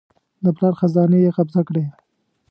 د پلار خزانې یې قبضه کړې.